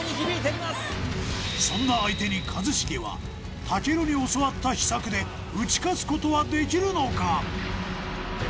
そんな相手に一茂は武尊に教わった秘策で打ち勝つことはできるのか？